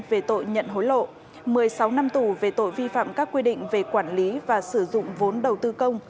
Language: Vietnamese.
về tội nhận hối lộ một mươi sáu năm tù về tội vi phạm các quy định về quản lý và sử dụng vốn đầu tư công